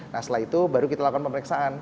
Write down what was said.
nah setelah itu baru kita lakukan pemeriksaan